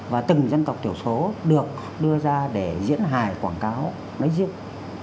và từng dân tộc thiểu số được đưa ra để diễn hài quảng cáo nói riêng